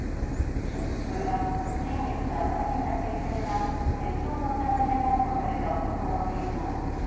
これは先月７日に撮影された、窃盗の疑いで逮捕された男の映像。